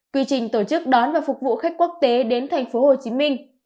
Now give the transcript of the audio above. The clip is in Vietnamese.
quy trình tổ chức đón và phục vụ khách quốc tế đến thành phố hồ chí minh